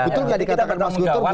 betul gak dikatakan mas gunter